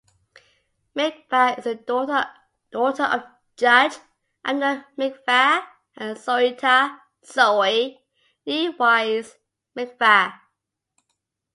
Mikva is the daughter of Judge Abner Mikva and Zorita ("Zoe") (nee Wise) Mikva.